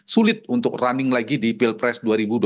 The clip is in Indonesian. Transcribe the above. sulit untuk running lagi di pilpres dua ribu dua puluh